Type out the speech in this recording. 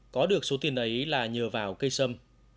có được số tiền ấy là nhờ vào cây sâm